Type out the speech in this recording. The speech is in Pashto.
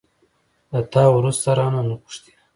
له تا وروسته، رانه، نه پوښتي